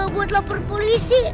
buat lapor polisi